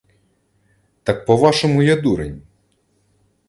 Так, по-вашому, я дурень?